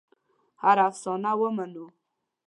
هره افسانه ومنو.